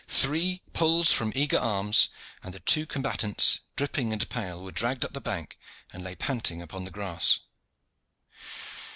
Three pulls from eager arms, and the two combatants, dripping and pale, were dragged up the bank, and lay panting upon the grass.